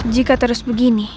jika terus begini